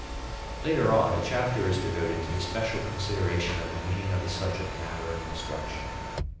Later on a chapter is devoted to the special consideration of the meaning of the subject matter of instruction.